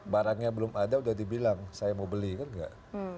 barangnya belum ada udah dibilang saya mau beli kan enggak